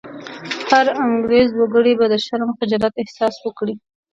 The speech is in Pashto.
هر انګرېز وګړی به د شرم او خجالت احساس وکړي.